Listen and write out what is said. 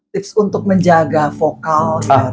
tips untuk menjaga vokal